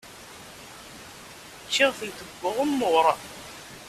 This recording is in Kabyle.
Ččiɣ-tent deg uɣemmur.